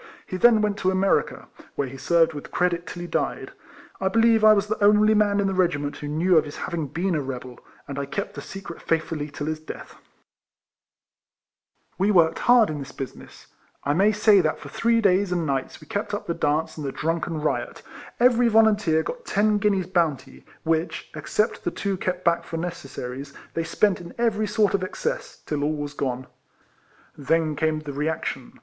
He then went to America, where he served with credit till he died. I believe I was the only man in the regiment who knew of his having been a rebel, and I kept the secret faithfully till his death. t The names of these two officers were Chapman and Freere, and 1 believe they are living now. RIFLEMAN HARRIS, 247 worked hard in this business. I may say that for three days and nights we kept up the dance and the drunken riot. Every volunteer got ten guineas bounty, which, except the two kept back for necessaries, they spent in every sort of excess, till all was gone. Then came the reaction.